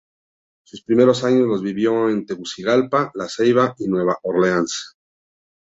Sus primeros años los vivió en Tegucigalpa, La Ceiba y Nueva Orleans.